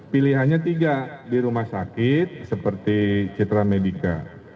pilihannya tiga di rumah sakit seperti citra medica